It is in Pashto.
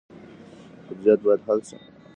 قبضیت باید حل شي.